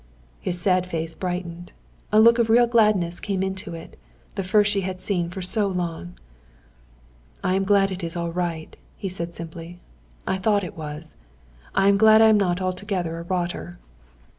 His sad face brightened. A look of real gladness came into it; the first she had seen for so long. "I am glad it is all right," he said, simply. "I thought it was. I am glad I am not altogether a rotter."